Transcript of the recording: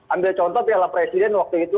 ambil contoh piala presiden waktu itu